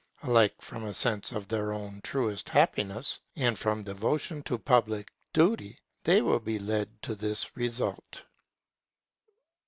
Alike from a sense of their own truest happiness and from devotion to public duty, they will be led to this result.